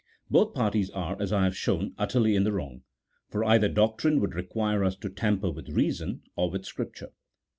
Both parties are, as I have shown, utterly in the wrong, for either doctrine would require us to tamper with reason or with Scripture.